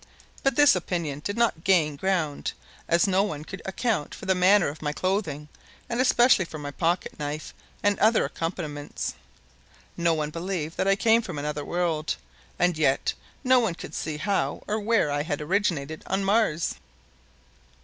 But this opinion did not gain ground, as no one could account for the manner of my clothing and especially for my pocket knife and other accompaniments. No one believed that I came from another world, and yet no one could see how or where I had originated on Mars.